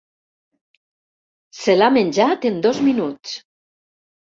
Se l'ha menjat en dos minuts.